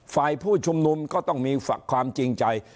ผู้ชุมนุมก็ต้องมีความจริงใจ